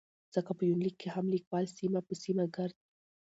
ځکه په يونليک کې هم ليکوال سيمه په سيمه ګرځي